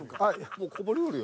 もうこぼれよるよ。